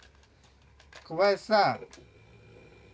小林さん